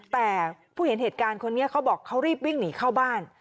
แต่ผู้เห็นเหตุการณ์คนนี้เขาบอกเขารีบวิ่งหนีเข้าบ้าน